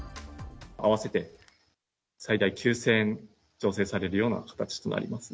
合わせて最大９０００円助成されるような形となります。